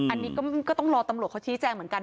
อันนี้ก็ต้องรอตำรวจเขาชี้แจงเหมือนกัน